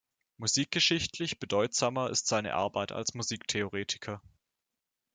Musikgeschichtlich bedeutsamer ist seine Arbeit als Musiktheoretiker.